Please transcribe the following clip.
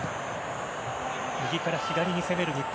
右から左に攻め込む日本。